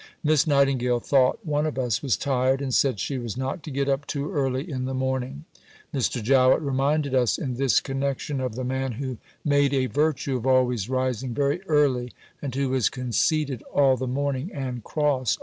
Miss Nightingale thought one of us was tired, and said she was not to get up too early in the morning. Mr. Jowett reminded us in this connection of the man who made a virtue of always rising very early and who was 'conceited all the morning and cross all the afternoon.'"